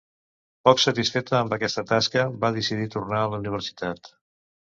Poc satisfeta amb aquesta tasca, va decidir tornar a la universitat.